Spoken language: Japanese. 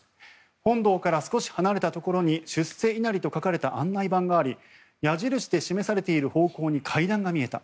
本道から少し離れたところに出世いなりと書かれた案内板があり矢印で示されている方向に階段が見えた。